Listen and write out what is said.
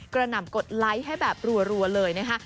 หนำกดไลค์ให้แบบรัวเลยนะคะ